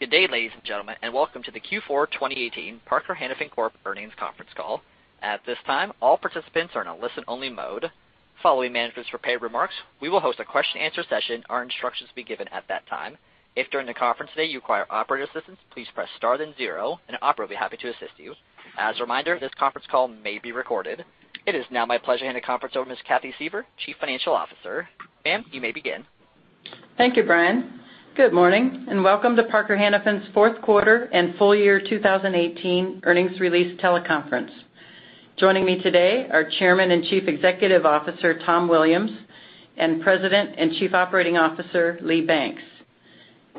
Good day, ladies and gentlemen, and welcome to the Q4 2018 Parker-Hannifin Corp earnings conference call. At this time, all participants are in a listen-only mode. Following management's prepared remarks, we will host a question-and-answer session. Our instructions will be given at that time. If during the conference today you require operator assistance, please press star then zero, and an operator will be happy to assist you. As a reminder, this conference call may be recorded. It is now my pleasure to hand the conference over to Ms. Cathy Suever, Chief Financial Officer. Ma'am, you may begin. Thank you, Brian. Good morning, and welcome to Parker-Hannifin's fourth quarter and full year 2018 earnings release teleconference. Joining me today are Chairman and Chief Executive Officer, Tom Williams, and President and Chief Operating Officer, Lee Banks.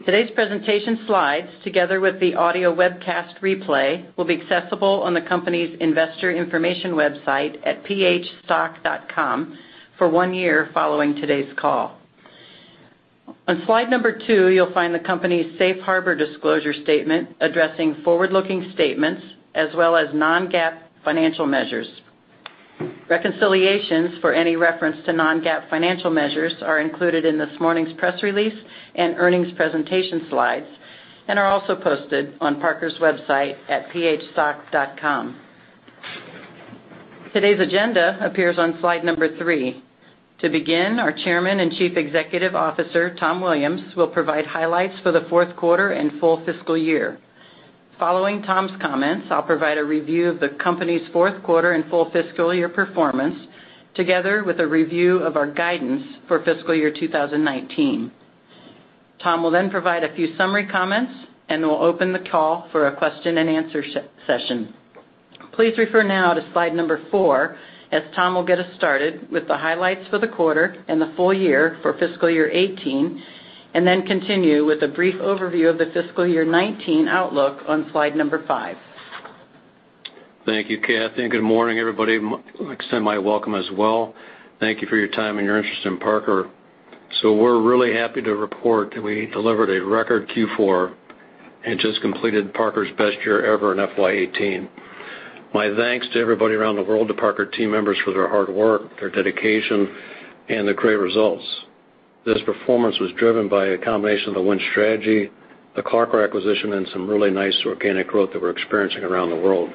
Today's presentation slides, together with the audio webcast replay, will be accessible on the company's investor information website at phstock.com for one year following today's call. On slide number two, you will find the company's safe harbor disclosure statement addressing forward-looking statements as well as non-GAAP financial measures. Reconciliations for any reference to non-GAAP financial measures are included in this morning's press release and earnings presentation slides, and are also posted on Parker's website at phstock.com. Today's agenda appears on slide number three. To begin, our Chairman and Chief Executive Officer, Tom Williams, will provide highlights for the fourth quarter and full fiscal year. Following Tom's comments, I will provide a review of the company's fourth quarter and full fiscal year performance, together with a review of our guidance for fiscal year 2019. Tom will then provide a few summary comments, and we will open the call for a question-and-answer session. Please refer now to slide number four, as Tom will get us started with the highlights for the quarter and the full year for fiscal year 2018, and then continue with a brief overview of the fiscal year 2019 outlook on slide number five. Thank you, Cathy, and good morning, everybody. I would like to extend my welcome as well. Thank you for your time and your interest in Parker. We are really happy to report that we delivered a record Q4 and just completed Parker's best year ever in FY 2018. My thanks to everybody around the world, to Parker team members for their hard work, their dedication, and the great results. This performance was driven by a combination of the Win Strategy, the CLARCOR acquisition, and some really nice organic growth that we are experiencing around the world.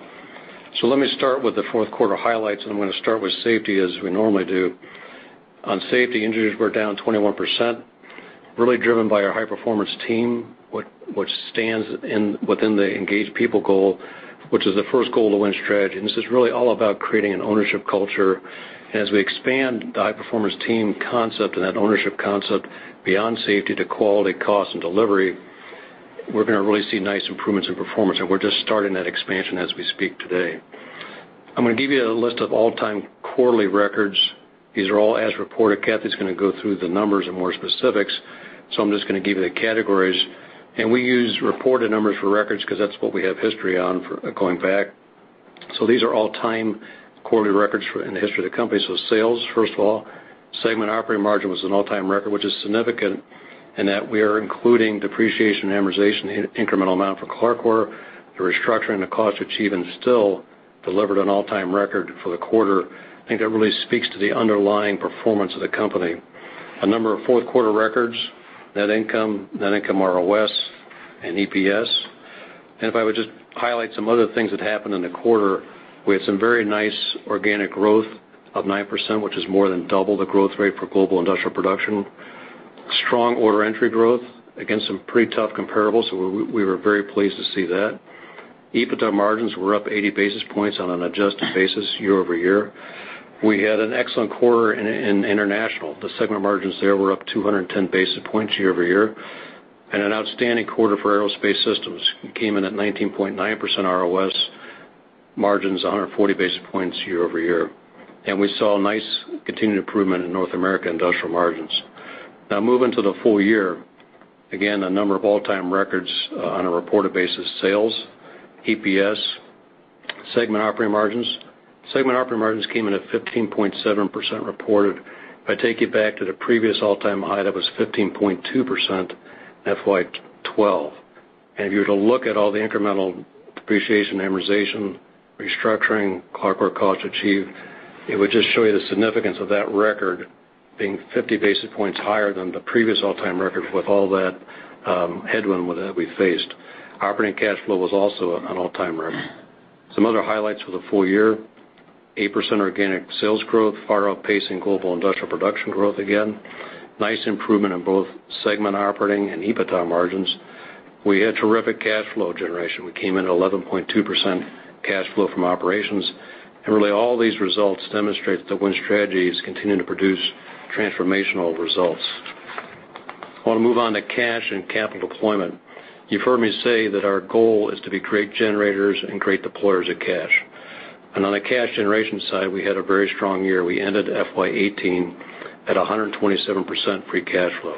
Let me start with the fourth quarter highlights, and I am going to start with safety as we normally do. On safety, injuries were down 21%, really driven by our high performance team, which stands within the engage people goal, which is the first goal of the Win Strategy. This is really all about creating an ownership culture. As we expand the high performance team concept and that ownership concept beyond safety to quality, cost, and delivery, we're going to really see nice improvements in performance. We're just starting that expansion as we speak today. I'm going to give you a list of all-time quarterly records. These are all as reported. Cathy's going to go through the numbers in more specifics, so I'm just going to give you the categories. We use reported numbers for records because that's what we have history on going back. These are all-time quarterly records in the history of the company. Sales, first of all, segment operating margin was an all-time record, which is significant in that we are including depreciation, amortization, incremental amount for CLARCOR, the restructuring, the cost to achieve, and still delivered an all-time record for the quarter. I think that really speaks to the underlying performance of the company. A number of fourth quarter records, net income, net income ROS, and EPS. If I would just highlight some other things that happened in the quarter, we had some very nice organic growth of 9%, which is more than double the growth rate for global industrial production. Strong order entry growth against some pretty tough comparables, we were very pleased to see that. EBITDA margins were up 80 basis points on an adjusted basis year-over-year. We had an excellent quarter in international. The segment margins there were up 210 basis points year-over-year. An outstanding quarter for Aerospace Systems. We came in at 19.9% ROS margins, 140 basis points year-over-year. We saw a nice continued improvement in North America industrial margins. Now moving to the full year, again, a number of all-time records on a reported basis, sales, EPS, segment operating margins. Segment operating margins came in at 15.7% reported. If I take you back to the previous all-time high, that was 15.2% FY 2012. If you were to look at all the incremental depreciation, amortization, restructuring, CLARCOR cost to achieve, it would just show you the significance of that record being 50 basis points higher than the previous all-time record with all that headwind that we faced. Operating cash flow was also an all-time record. Some other highlights for the full year, 8% organic sales growth, far outpacing global industrial production growth again. Nice improvement in both segment operating and EBITDA margins. We had terrific cash flow generation. We came in at 11.2% cash flow from operations. Really all these results demonstrate that the Win Strategy is continuing to produce transformational results. I want to move on to cash and capital deployment. You've heard me say that our goal is to be great generators and great deployers of cash. On the cash generation side, we had a very strong year. We ended FY 2018 at 127% free cash flow.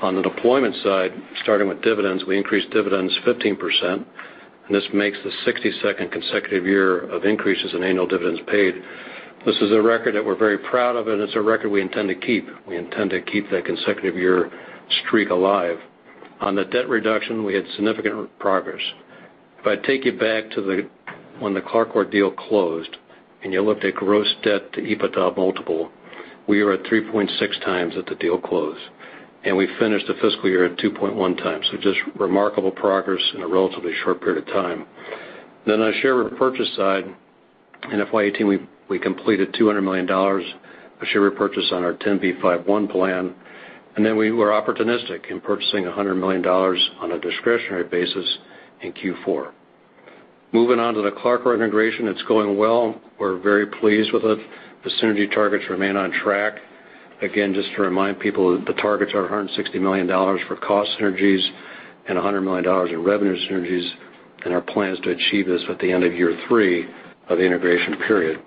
On the deployment side, starting with dividends, we increased dividends 15%, this makes the 62nd consecutive year of increases in annual dividends paid. This is a record that we're very proud of, it's a record we intend to keep. We intend to keep that consecutive year streak alive. On the debt reduction, we had significant progress. If I take you back to when the CLARCOR deal closed, and you looked at gross debt to EBITDA multiple, we were at 3.6 times at the deal close, and we finished the fiscal year at 2.1 times. Just remarkable progress in a relatively short period of time. On the share repurchase side, in FY 2018, we completed $200 million of share repurchase on our 10b5-1 plan, and then we were opportunistic in purchasing $100 million on a discretionary basis in Q4. Moving on to the CLARCOR integration, it's going well. We're very pleased with it. The synergy targets remain on track. Just to remind people, the targets are $160 million for cost synergies and $100 million in revenue synergies, and our plan is to achieve this at the end of year 3 of the integration period.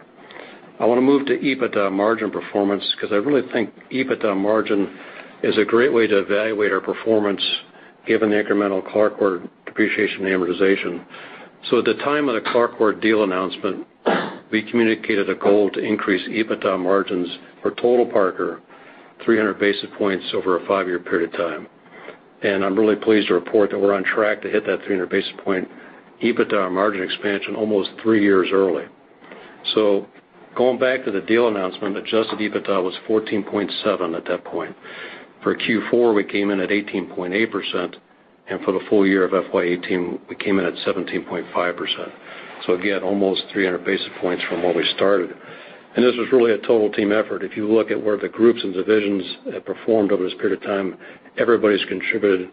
I want to move to EBITDA margin performance because I really think EBITDA margin is a great way to evaluate our performance given the incremental CLARCOR depreciation and amortization. At the time of the CLARCOR deal announcement, we communicated a goal to increase EBITDA margins for total Parker 300 basis points over a 5-year period of time. And I'm really pleased to report that we're on track to hit that 300 basis point EBITDA margin expansion almost 3 years early. Going back to the deal announcement, adjusted EBITDA was 14.7% at that point. For Q4, we came in at 18.8%, and for the full year of FY 2018, we came in at 17.5%. Again, almost 300 basis points from where we started. And this was really a total team effort. If you look at where the groups and divisions have performed over this period of time, everybody's contributed.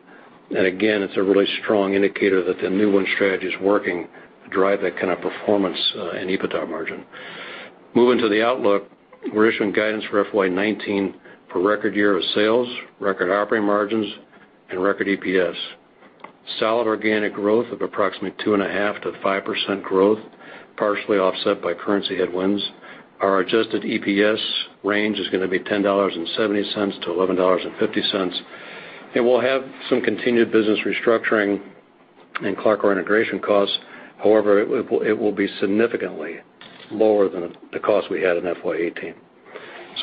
And again, it's a really strong indicator that the new Win Strategy is working to drive that kind of performance in EBITDA margin. Moving to the outlook, we're issuing guidance for FY 2019 for record year of sales, record operating margins, and record EPS. Solid organic growth of approximately 2.5%-5% growth, partially offset by currency headwinds. Our adjusted EPS range is going to be $10.70-$11.50. And we'll have some continued business restructuring in CLARCOR integration costs. However, it will be significantly lower than the costs we had in FY 2018.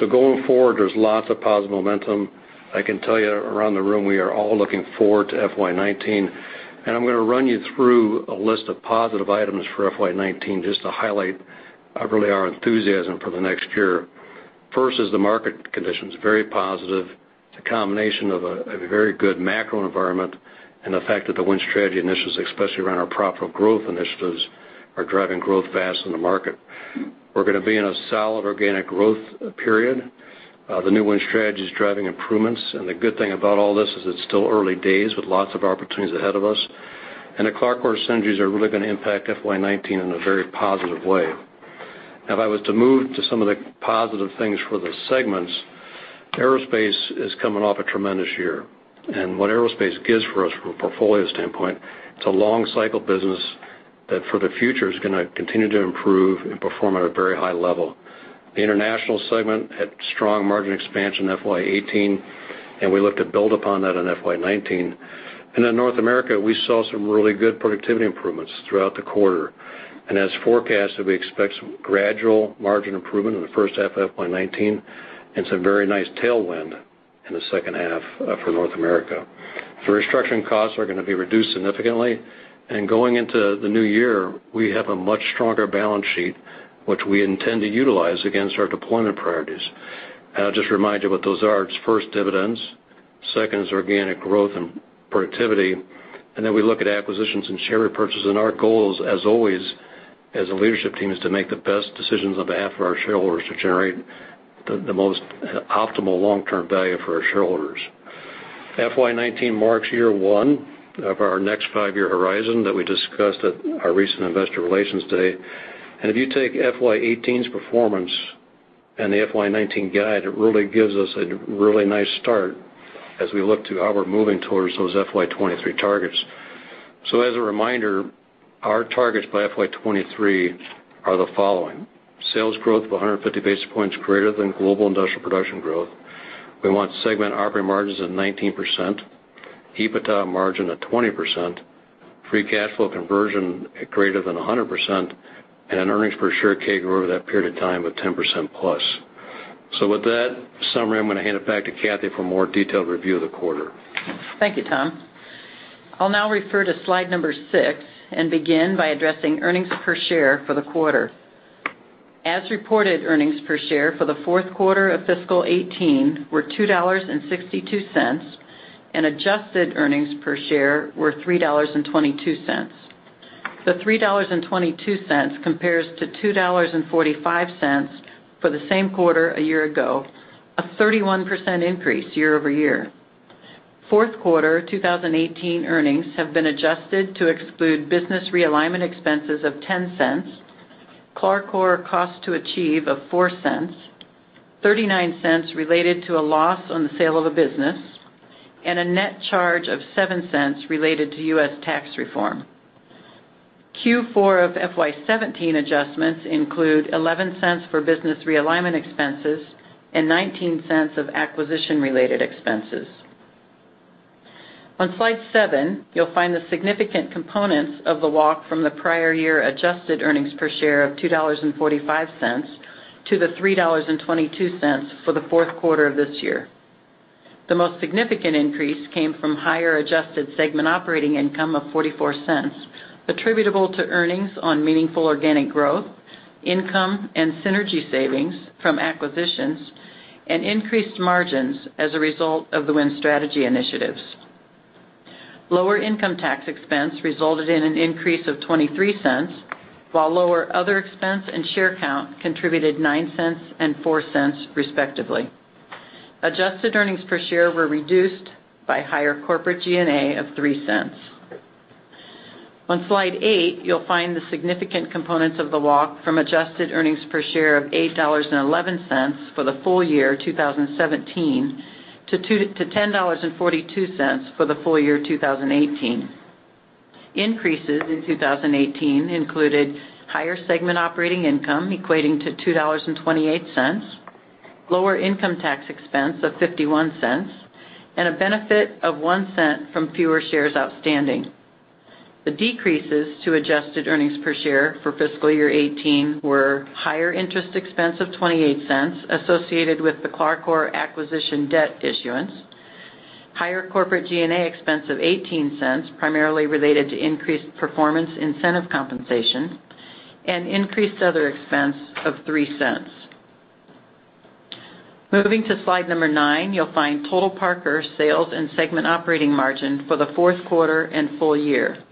Going forward, there's lots of positive momentum. I can tell you around the room, we are all looking forward to FY 2019. I'm going to run you through a list of positive items for FY 2019 just to highlight really our enthusiasm for the next year. First is the market conditions, very positive. It's a combination of a very good macro environment and the fact that the Win Strategy initiatives, especially around our profitable growth initiatives, are driving growth faster than the market. We're going to be in a solid organic growth period. The new Win Strategy is driving improvements, and the good thing about all this is it's still early days with lots of opportunities ahead of us. And the CLARCOR synergies are really going to impact FY 2019 in a very positive way. Now, if I was to move to some of the positive things for the segments, Aerospace is coming off a tremendous year. What Aerospace gives for us from a portfolio standpoint, it's a long cycle business that for the future is going to continue to improve and perform at a very high level. The International segment had strong margin expansion in FY 2018, we look to build upon that in FY 2019. In North America, we saw some really good productivity improvements throughout the quarter. As forecasted, we expect some gradual margin improvement in the first half of FY 2019, and some very nice tailwind in the second half for North America. The restructuring costs are going to be reduced significantly. Going into the new year, we have a much stronger balance sheet, which we intend to utilize against our deployment priorities. I'll just remind you what those are. First, dividends. Second is organic growth and productivity. Then we look at acquisitions and share repurchase. Our goals, as always, as a leadership team, is to make the best decisions on behalf of our shareholders to generate the most optimal long-term value for our shareholders. FY 2019 marks year one of our next five-year horizon that we discussed at our recent investor relations day. If you take FY 2018's performance and the FY 2019 guide, it really gives us a really nice start as we look to how we're moving towards those FY 2023 targets. As a reminder, our targets by FY 2023 are the following. Sales growth of 150 basis points greater than global industrial production growth. We want segment operating margins at 19%, EBITDA margin at 20%, free cash flow conversion at greater than 100%, and an earnings per share CAGR over that period of time of 10% plus. With that summary, I'm going to hand it back to Cathy for a more detailed review of the quarter. Thank you, Tom. I'll now refer to slide number six and begin by addressing earnings per share for the quarter. As reported, earnings per share for the fourth quarter of fiscal 2018 were $2.62, and adjusted earnings per share were $3.22. The $3.22 compares to $2.45 for the same quarter a year ago, a 31% increase year-over-year. Fourth quarter 2018 earnings have been adjusted to exclude business realignment expenses of $0.10, CLARCOR cost to achieve of $0.04, $0.39 related to a loss on the sale of a business, and a net charge of $0.07 related to U.S. tax reform. Q4 of FY 2017 adjustments include $0.11 for business realignment expenses and $0.19 of acquisition-related expenses. On slide seven, you'll find the significant components of the walk from the prior year adjusted earnings per share of $2.45 to the $3.22 for the fourth quarter of this year. The most significant increase came from higher adjusted segment operating income of $0.44, attributable to earnings on meaningful organic growth, income and synergy savings from acquisitions, and increased margins as a result of the Win Strategy initiatives. Lower income tax expense resulted in an increase of $0.23, while lower other expense and share count contributed $0.09 and $0.04 respectively. Adjusted earnings per share were reduced by higher corporate G&A of $0.03. On slide eight, you'll find the significant components of the walk from adjusted earnings per share of $8.11 for the full year 2017 to $10.42 for the full year 2018. Increases in 2018 included higher segment operating income equating to $2.28, lower income tax expense of $0.51, and a benefit of $0.01 from fewer shares outstanding. The decreases to adjusted earnings per share for fiscal year 2018 were higher interest expense of $0.28 associated with the CLARCOR acquisition debt issuance, higher corporate G&A expense of $0.18, primarily related to increased performance incentive compensation, and increased other expense of $0.03. Moving to slide number nine, you'll find total Parker sales and segment operating margin for the fourth quarter and full year.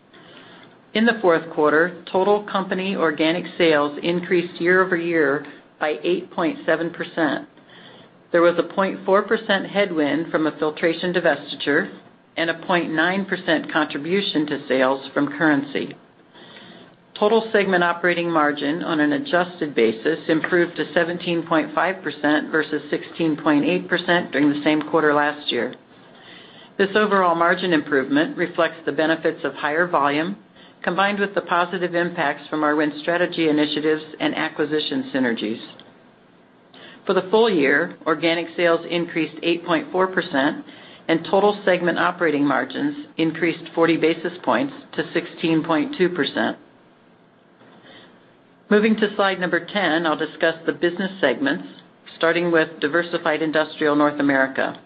In the fourth quarter, total company organic sales increased year-over-year by 8.7%. There was a 0.4% headwind from a Filtration divestiture and a 0.9% contribution to sales from currency. Total segment operating margin on an adjusted basis improved to 17.5% versus 16.8% during the same quarter last year. This overall margin improvement reflects the benefits of higher volume combined with the positive impacts from our Win Strategy initiatives and acquisition synergies. For the full year, organic sales increased 8.4% and total segment operating margins increased 40 basis points to 16.2%. Moving to slide number 10, I'll discuss the business segments, starting with Diversified Industrial North America.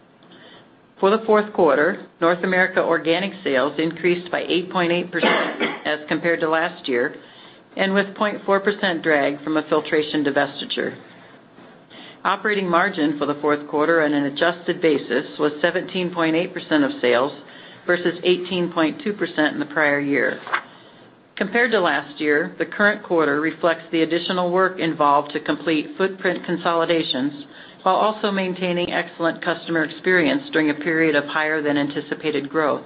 For the fourth quarter, North America organic sales increased by 8.8% as compared to last year, with 0.4% drag from a Filtration divestiture. Operating margin for the fourth quarter on an adjusted basis was 17.8% of sales versus 18.2% in the prior year. Compared to last year, the current quarter reflects the additional work involved to complete footprint consolidations while also maintaining excellent customer experience during a period of higher than anticipated growth.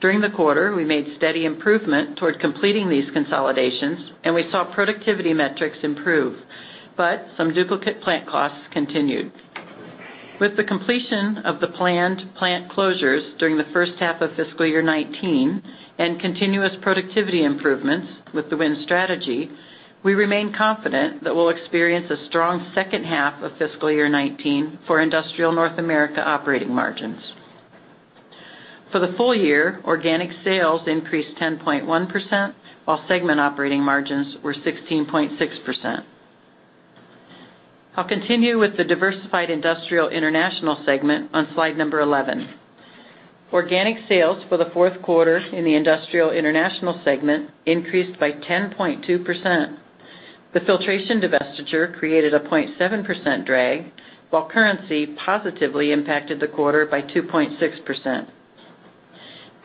During the quarter, we made steady improvement toward completing these consolidations and we saw productivity metrics improve, but some duplicate plant costs continued. With the completion of the planned plant closures during the first half of fiscal year 2019 and continuous productivity improvements with the Win Strategy, we remain confident that we'll experience a strong second half of fiscal year 2019 for Industrial North America operating margins. For the full year, organic sales increased 10.1%, while segment operating margins were 16.6%. I'll continue with the Diversified Industrial International segment on slide number 11. Organic sales for the fourth quarter in the Industrial International segment increased by 10.2%. The Filtration divestiture created a 0.7% drag, while currency positively impacted the quarter by 2.6%.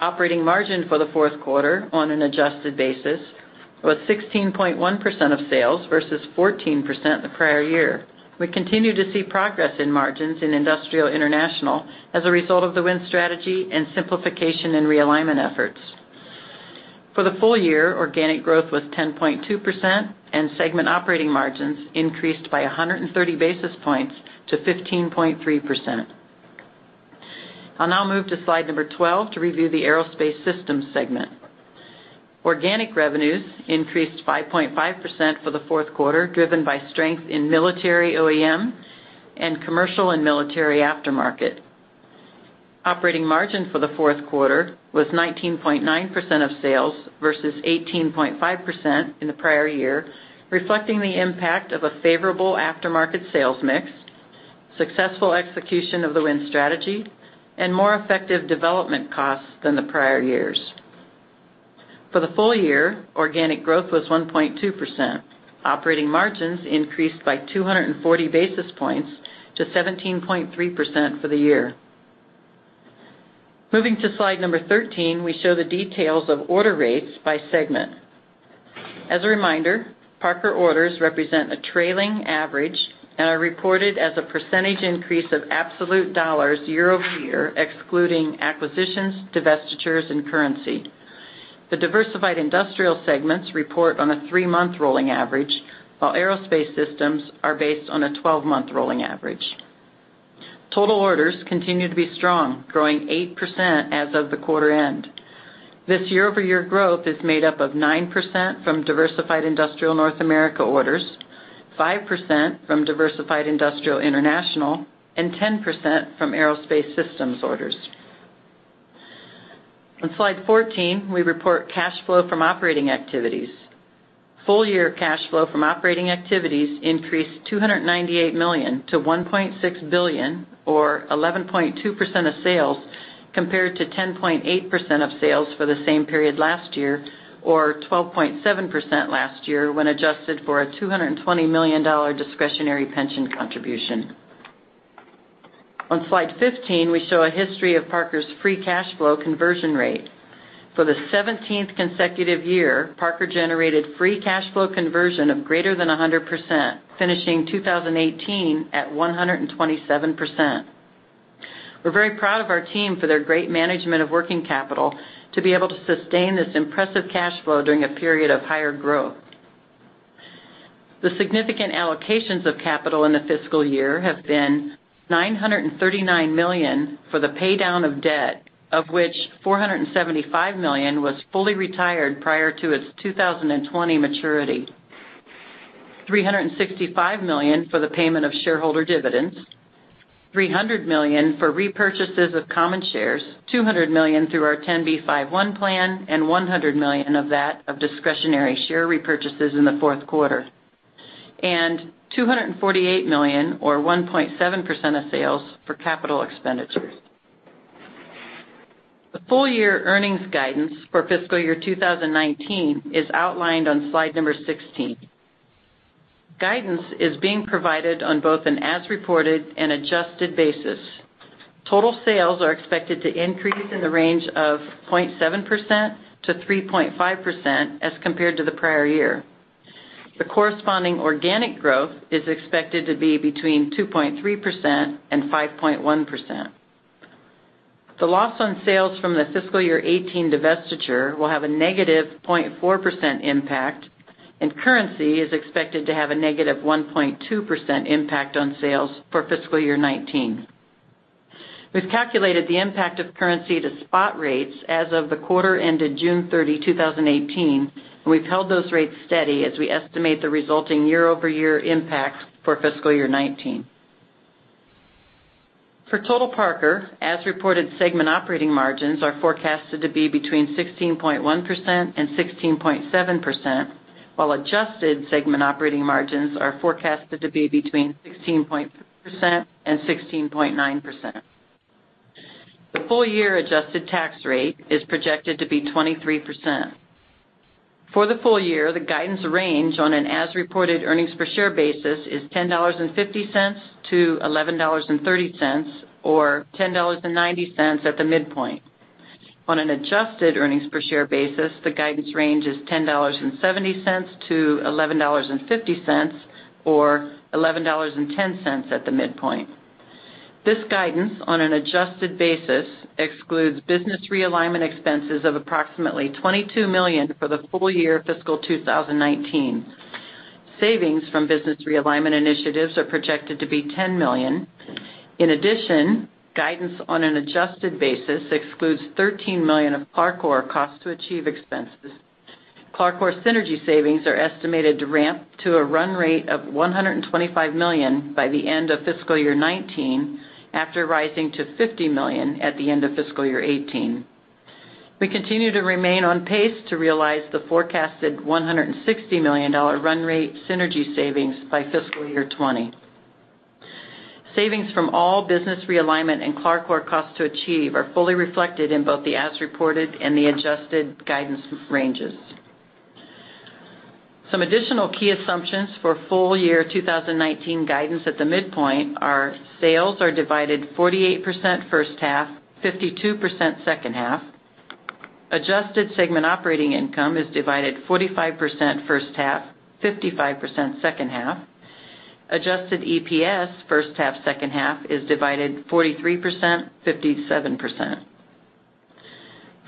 Operating margin for the fourth quarter on an adjusted basis was 16.1% of sales versus 14% the prior year. We continue to see progress in margins in Industrial International as a result of the Win Strategy and simplification and realignment efforts. For the full year, organic growth was 10.2% and segment operating margins increased by 130 basis points to 15.3%. I'll now move to slide number 12 to review the Aerospace Systems segment. Organic revenues increased 5.5% for the fourth quarter, driven by strength in military OEM and commercial and military aftermarket. Operating margin for the fourth quarter was 19.9% of sales versus 18.5% in the prior year, reflecting the impact of a favorable aftermarket sales mix, successful execution of the Win Strategy, and more effective development costs than the prior years. For the full year, organic growth was 1.2%. Operating margins increased by 240 basis points to 17.3% for the year. Moving to slide number 13, we show the details of order rates by segment. As a reminder, Parker orders represent a trailing average and are reported as a percentage increase of absolute dollars year-over-year, excluding acquisitions, divestitures, and currency. The Diversified Industrial segments report on a three-month rolling average, while Aerospace Systems are based on a 12-month rolling average. Total orders continue to be strong, growing 8% as of the quarter end. This year-over-year growth is made up of 9% from Diversified Industrial North America orders, 5% from Diversified Industrial International, and 10% from Aerospace Systems orders. On slide 14, we report cash flow from operating activities. Full year cash flow from operating activities increased $298 million to $1.6 billion or 11.2% of sales, compared to 10.8% of sales for the same period last year, or 12.7% last year when adjusted for a $220 million discretionary pension contribution. On slide 15, we show a history of Parker's free cash flow conversion rate. For the 17th consecutive year, Parker generated free cash flow conversion of greater than 100%, finishing 2018 at 127%. We're very proud of our team for their great management of working capital to be able to sustain this impressive cash flow during a period of higher growth. The significant allocations of capital in the fiscal year have been $939 million for the pay-down of debt, of which $475 million was fully retired prior to its 2020 maturity. $365 million for the payment of shareholder dividends, $300 million for repurchases of common shares, $200 million through our 10b5-1 plan and $100 million of that of discretionary share repurchases in the fourth quarter, and $248 million or 1.7% of sales for capital expenditures. The full year earnings guidance for fiscal year 2019 is outlined on slide number 16. Guidance is being provided on both an as-reported and adjusted basis. Total sales are expected to increase in the range of 0.7%-3.5% as compared to the prior year. The corresponding organic growth is expected to be between 2.3% and 5.1%. The loss on sales from the fiscal year 2018 divestiture will have a negative 0.4% impact, and currency is expected to have a negative 1.2% impact on sales for fiscal year 2019. We've calculated the impact of currency to spot rates as of the quarter ended June 30, 2018, and we've held those rates steady as we estimate the resulting year-over-year impacts for fiscal year 2019. For total Parker, as reported segment operating margins are forecasted to be between 16.1% and 16.7%, while adjusted segment operating margins are forecasted to be between 16.3% and 16.9%. The full year adjusted tax rate is projected to be 23%. For the full year, the guidance range on an as-reported earnings per share basis is $10.50 to $11.30 or $10.90 at the midpoint. On an adjusted earnings per share basis, the guidance range is $10.70 to $11.50 or $11.10 at the midpoint. This guidance on an adjusted basis excludes business realignment expenses of approximately $22 million for the full year fiscal 2019. Savings from business realignment initiatives are projected to be $10 million. In addition, guidance on an adjusted basis excludes $13 million of CLARCOR cost to achieve expenses. CLARCOR synergy savings are estimated to ramp to a run rate of $125 million by the end of fiscal year 2019, after rising to $50 million at the end of fiscal year 2018. We continue to remain on pace to realize the forecasted $160 million run rate synergy savings by fiscal year 2020. Savings from all business realignment and CLARCOR cost to achieve are fully reflected in both the as-reported and the adjusted guidance ranges. Some additional key assumptions for full year 2019 guidance at the midpoint are, sales are divided 48% first half, 52% second half. Adjusted segment operating income is divided 45% first half, 55% second half. Adjusted EPS first half, second half is divided 43%, 57%.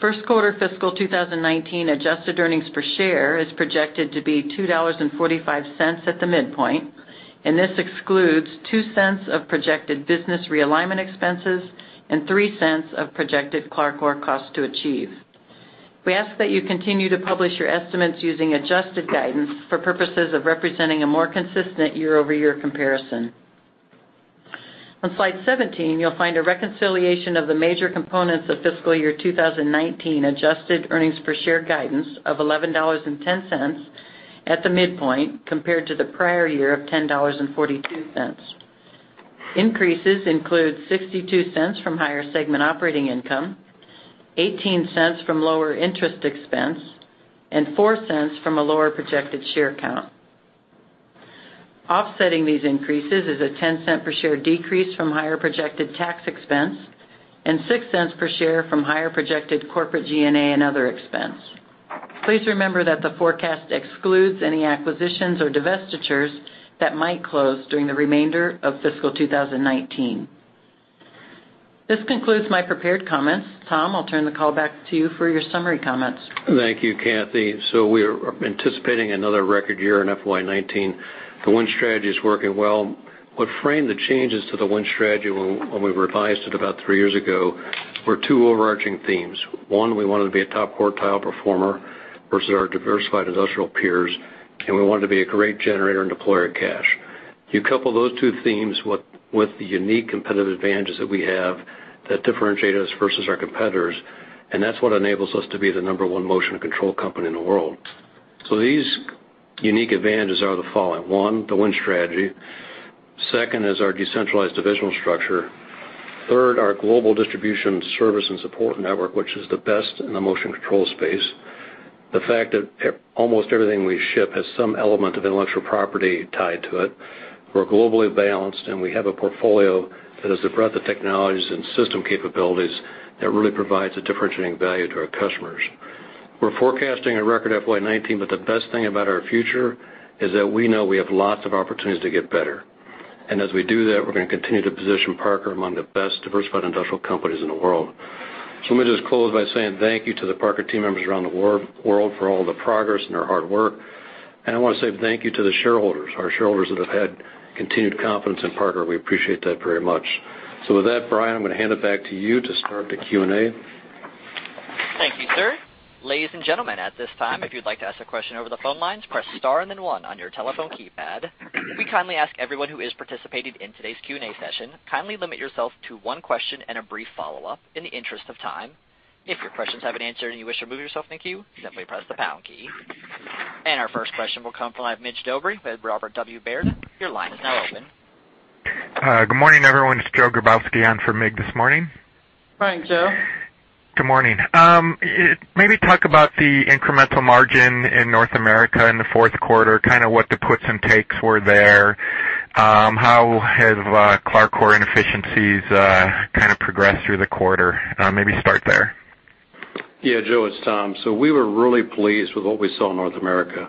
First quarter fiscal 2019 adjusted earnings per share is projected to be $2.45 at the midpoint. This excludes $0.02 of projected business realignment expenses and $0.03 of projected CLARCOR cost to achieve. We ask that you continue to publish your estimates using adjusted guidance for purposes of representing a more consistent year-over-year comparison. On slide 17, you'll find a reconciliation of the major components of fiscal year 2019 adjusted earnings per share guidance of $11.10 at the midpoint compared to the prior year of $10.42. Increases include $0.62 from higher segment operating income, $0.18 from lower interest expense, and $0.04 from a lower projected share count. Offsetting these increases is a $0.10 per share decrease from higher projected tax expense and $0.06 per share from higher projected corporate G&A and other expense. Please remember that the forecast excludes any acquisitions or divestitures that might close during the remainder of fiscal 2019. This concludes my prepared comments. Tom, I'll turn the call back to you for your summary comments. Thank you, Cathy. We're anticipating another record year in FY 2019. The Win Strategy is working well. What framed the changes to the Win Strategy when we revised it about three years ago were two overarching themes. One, we wanted to be a top quartile performer versus our diversified industrial peers. We wanted to be a great generator and deployer of cash. You couple those two themes with the unique competitive advantages that we have that differentiate us versus our competitors. That's what enables us to be the number one motion control company in the world. These unique advantages are the following. One, the Win Strategy. Second is our decentralized divisional structure. Third, our global distribution service and support network, which is the best in the motion control space. The fact that almost everything we ship has some element of intellectual property tied to it. We're globally balanced, and we have a portfolio that has the breadth of technologies and system capabilities that really provides a differentiating value to our customers. We're forecasting a record FY 2019, but the best thing about our future is that we know we have lots of opportunities to get better. As we do that, we're going to continue to position Parker among the best diversified industrial companies in the world. Let me just close by saying thank you to the Parker team members around the world for all the progress and their hard work. I want to say thank you to the shareholders, our shareholders that have had continued confidence in Parker. We appreciate that very much. With that, Brian, I'm going to hand it back to you to start the Q&A. Thank you, sir. Ladies and gentlemen, at this time, if you'd like to ask a question over the phone lines, press star and then one on your telephone keypad. We kindly ask everyone who is participating in today's Q&A session, kindly limit yourself to one question and a brief follow-up in the interest of time. If your questions have been answered and you wish to remove yourself in the queue, simply press the pound key. Our first question will come from Mircea Dobre with Robert W. Baird. Your line is now open. Good morning, everyone. It's Joseph Grabowski on for Mircea this morning. Morning, Joe. Good morning. Talk about the incremental margin in North America in the fourth quarter, kind of what the puts and takes were there. How have CLARCOR inefficiencies kind of progressed through the quarter? Start there. Yeah, Joe, it's Tom. We were really pleased with what we saw in North America.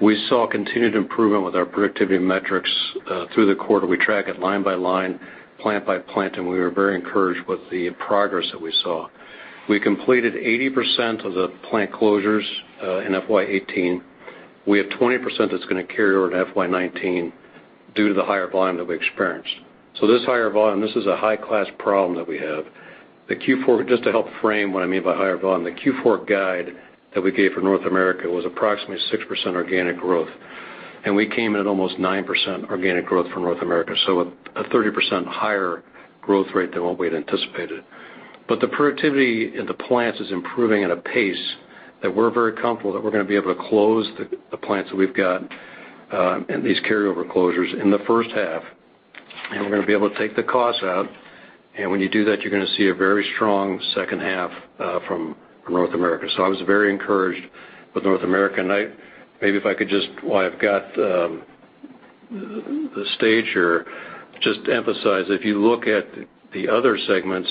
We saw continued improvement with our productivity metrics, through the quarter. We track it line by line, plant by plant, we were very encouraged with the progress that we saw. We completed 80% of the plant closures in FY 2018. We have 20% that's going to carry over to FY 2019 due to the higher volume that we experienced. This higher volume, this is a high-class problem that we have. Just to help frame what I mean by higher volume, the Q4 guide that we gave for North America was approximately 6% organic growth, we came in at almost 9% organic growth for North America, a 30% higher growth rate than what we had anticipated. The productivity in the plants is improving at a pace that we're very comfortable that we're going to be able to close the plants that we've got, these carryover closures in the first half, we're going to be able to take the costs out, when you do that, you're going to see a very strong second half from North America. I was very encouraged with North America. Maybe if I could just, while I've got the stage here, just emphasize, if you look at the other segments,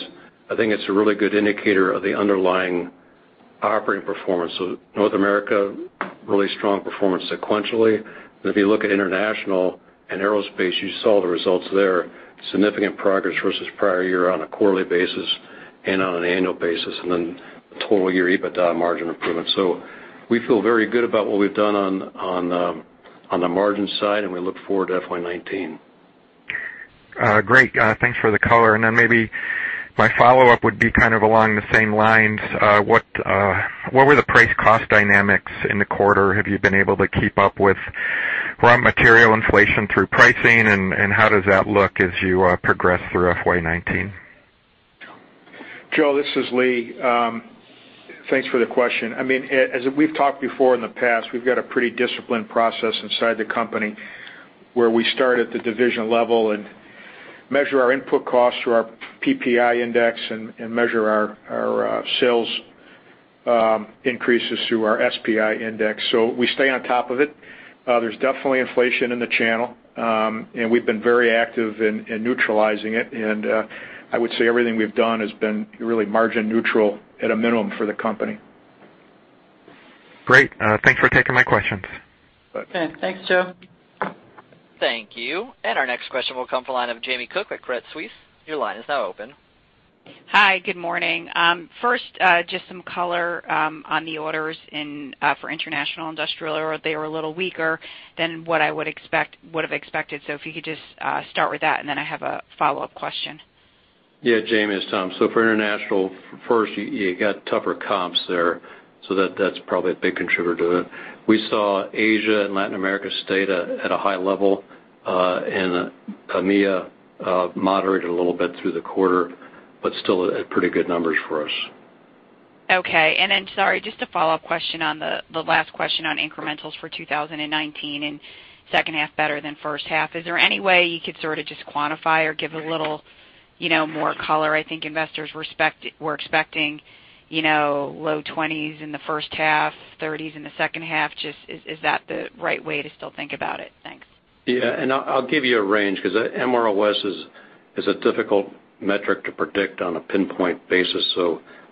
I think it's a really good indicator of the underlying operating performance. North America, really strong performance sequentially. If you look at International and Aerospace, you saw the results there, significant progress versus prior year on a quarterly basis and on an annual basis, then total year EBITDA margin improvement. We feel very good about what we've done on the margin side, we look forward to FY 2019. Great. Thanks for the color. Maybe my follow-up would be kind of along the same lines. What were the price cost dynamics in the quarter? Have you been able to keep up with raw material inflation through pricing, and how does that look as you progress through FY 2019? Joe, this is Lee. Thanks for the question. As we've talked before in the past, we've got a pretty disciplined process inside the company where we start at the division level and measure our input costs through our PPI index and measure our sales increases through our SPI index. We stay on top of it. There's definitely inflation in the channel, and we've been very active in neutralizing it. I would say everything we've done has been really margin neutral at a minimum for the company. Great. Thanks for taking my questions. Okay. Thanks, Joe. Thank you. Our next question will come from the line of Jamie Cook with Credit Suisse. Your line is now open. Hi. Good morning. First, just some color on the orders for Diversified Industrial International. They were a little weaker than what I would have expected. If you could just start with that, I have a follow-up question. Yeah, Jamie, it's Tom. For Diversified Industrial International, first, you got tougher comps there, that's probably a big contributor to it. We saw Asia and Latin America stay at a high level, EMEA moderated a little bit through the quarter, still at pretty good numbers for us. Okay. Sorry, just a follow-up question on the last question on incrementals for 2019 and second half better than first half. Is there any way you could sort of just quantify or give a little more color? I think investors were expecting low 20% in the first half, 30% in the second half. Just is that the right way to still think about it? Thanks. Yeah, I'll give you a range because MROS is a difficult metric to predict on a pinpoint basis.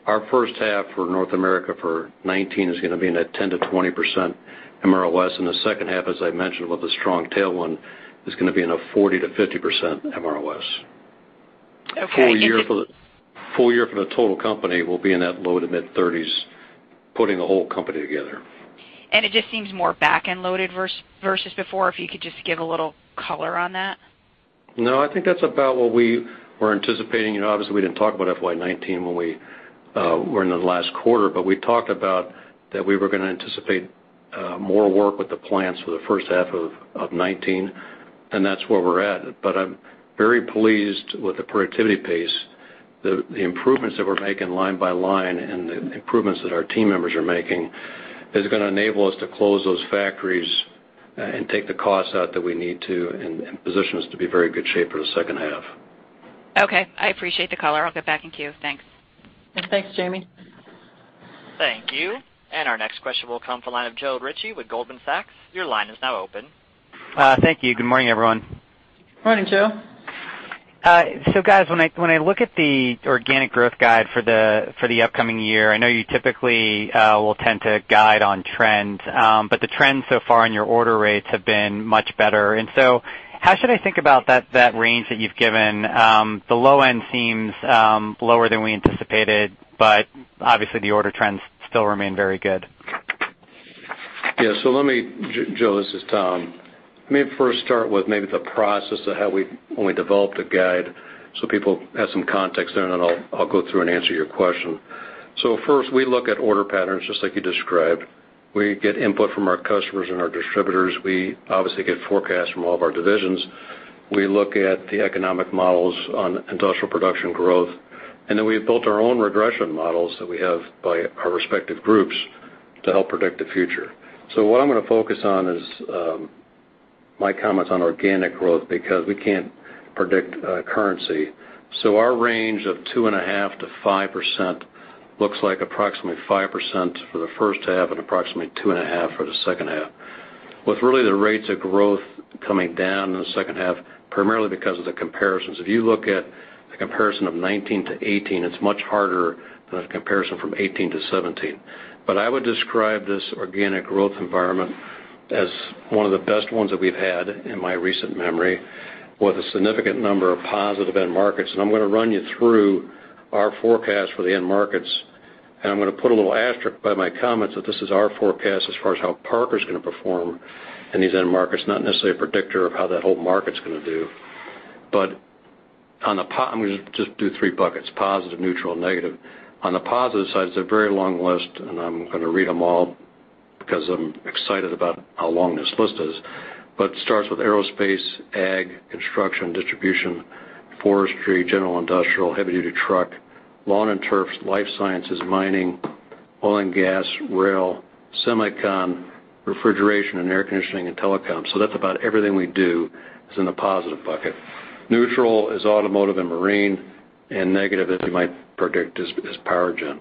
Our first half for North America for 2019 is going to be in that 10%-20% MROS, the second half, as I mentioned, with a strong tailwind, is going to be in a 40%-50% MROS. Okay. Full year for the total company will be in that low to mid-30s, putting the whole company together. It just seems more back-end loaded versus before, if you could just give a little color on that. No, I think that's about what we were anticipating. Obviously, we didn't talk about FY 2019 when we were in the last quarter, we talked about that we were going to anticipate more work with the plants for the first half of 2019, that's where we're at. I'm very pleased with the productivity pace. The improvements that we're making line by line and the improvements that our team members are making is going to enable us to close those factories and take the costs out that we need to and position us to be in very good shape for the second half. Okay. I appreciate the color. I'll get back in queue. Thanks. Thanks, Jamie. Thank you. Our next question will come from the line of Joe Ritchie with Goldman Sachs. Your line is now open. Thank you. Good morning, everyone. Morning, Joe. Guys, when I look at the organic growth guide for the upcoming year, I know you typically will tend to guide on trends. The trends so far in your order rates have been much better. How should I think about that range that you've given? The low end seems lower than we anticipated, but obviously, the order trends still remain very good. Yeah. Joe, this is Tom. Let me first start with maybe the process of how we developed a guide so people have some context there, then I'll go through and answer your question. First, we look at order patterns, just like you described. We get input from our customers and our distributors. We obviously get forecasts from all of our divisions. We look at the economic models on industrial production growth. Then we've built our own regression models that we have by our respective groups to help predict the future. What I'm going to focus on is my comments on organic growth, because we can't predict currency. Our range of 2.5%-5% looks like approximately 5% for the first half and approximately 2.5% for the second half, with really the rates of growth coming down in the second half, primarily because of the comparisons. If you look at the comparison of 2019 to 2018, it's much harder than a comparison from 2018 to 2017. I would describe this organic growth environment as one of the best ones that we've had in my recent memory, with a significant number of positive end markets. I'm going to run you through our forecast for the end markets, and I'm going to put a little asterisk by my comments that this is our forecast as far as how Parker's going to perform in these end markets, not necessarily a predictor of how that whole market's going to do. I'm going to just do three buckets, positive, neutral, negative. On the positive side, it's a very long list, and I'm going to read them all because I'm excited about how long this list is. It starts with aerospace, ag, construction, distribution, forestry, general industrial, heavy-duty truck, lawn and turf, life sciences, mining, oil and gas, rail, semicon, refrigeration and air conditioning, and telecom. That's about everything we do is in the positive bucket. Neutral is automotive and marine, and negative, as you might predict, is power gen.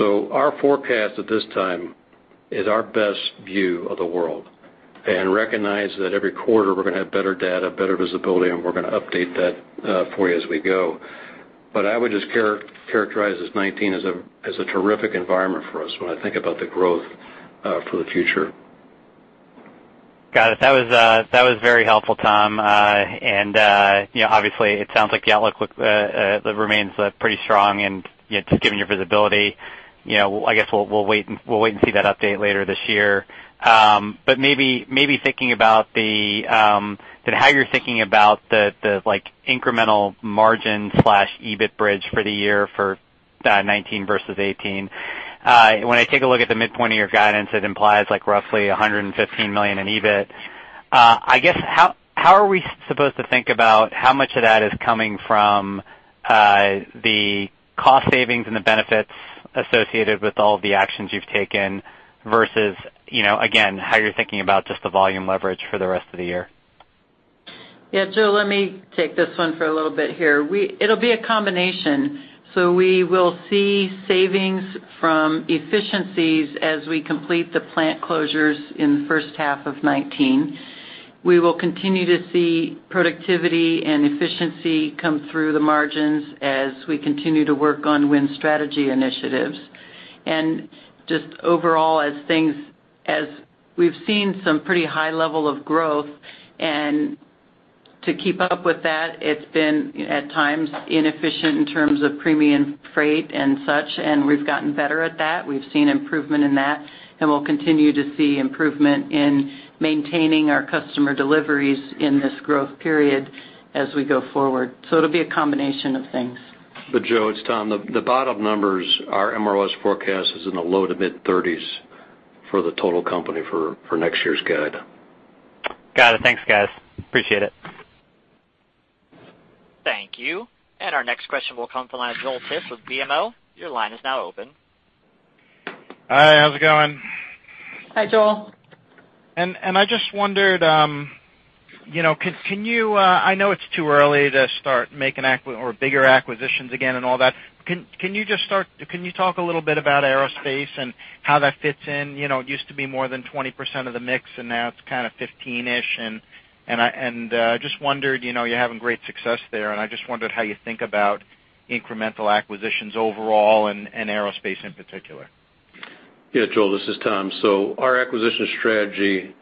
Our forecast at this time is our best view of the world. Recognize that every quarter, we're going to have better data, better visibility, and we're going to update that for you as we go. I would just characterize 2019 as a terrific environment for us when I think about the growth for the future. Got it. That was very helpful, Tom. Obviously, it sounds like the outlook remains pretty strong and just given your visibility, I guess we'll wait and see that update later this year. Maybe thinking about how you're thinking about the incremental margin/EBIT bridge for the year for 2019 versus 2018. When I take a look at the midpoint of your guidance, it implies roughly $115 million in EBIT. I guess, how are we supposed to think about how much of that is coming from the cost savings and the benefits associated with all of the actions you've taken versus, again, how you're thinking about just the volume leverage for the rest of the year? Yeah, Joe, let me take this one for a little bit here. It'll be a combination. We will see savings from efficiencies as we complete the plant closures in the first half of 2019. We will continue to see productivity and efficiency come through the margins as we continue to work on Win Strategy initiatives. Just overall, as we've seen some pretty high level of growth, and to keep up with that, it's been at times inefficient in terms of premium freight and such, and we've gotten better at that. We've seen improvement in that, and we'll continue to see improvement in maintaining our customer deliveries in this growth period as we go forward. It'll be a combination of things. Joe, it's Tom. The bottom numbers, our MROS forecast is in the low to mid-30s for the total company for next year's guide. Got it. Thanks, guys. Appreciate it. Thank you. Our next question will come from the line of Joel Tiss with BMO. Your line is now open. Hi, how's it going? Hi, Joel. I just wondered, I know it's too early to start making bigger acquisitions again and all that. Can you talk a little bit about Aerospace and how that fits in? It used to be more than 20% of the mix, and now it's kind of 15-ish. You're having great success there, and I just wondered how you think about incremental acquisitions overall and Aerospace in particular. Joel, this is Tom. Our acquisition strategy,